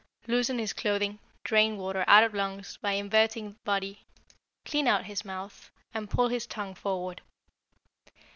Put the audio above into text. Loosen his clothing, drain water out of lungs by inverting body, clean out his mouth, and pull his tongue forward.